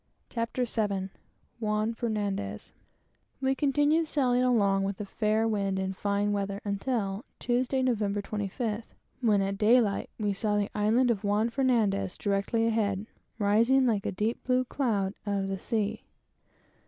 CHAPTER VII JUAN FERNANDEZ THE PACIFIC We continued sailing along with a fair wind and fine weather until Tuesday, Nov. 25th, when at daylight we saw the island of Juan Fernandez, directly ahead, rising like a deep blue cloud out of the sea.